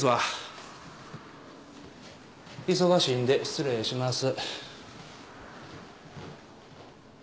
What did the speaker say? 忙しいんで失礼します。